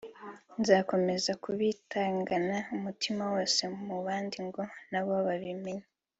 nzakomeza kubitangana umutima wose mu bandi ngo nabo babimenye